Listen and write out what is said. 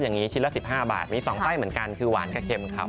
อย่างนี้ชิ้นละ๑๕บาทมี๒ไส้เหมือนกันคือหวานกระเข็มครับ